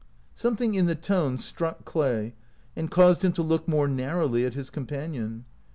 Something in the tone struck Clay, and caused him to look more narrowly at his companion.